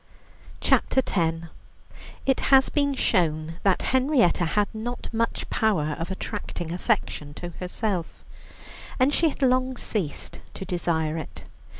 CHAPTER X It has been shown that Henrietta had not much power of attracting affection to herself, and she had long ceased to desire it.